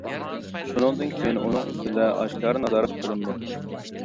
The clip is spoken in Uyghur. شۇنىڭدىن كېيىن، ئۇنىڭ ئۈستىدە ئاشكارا نازارەت قىلىنىدۇ.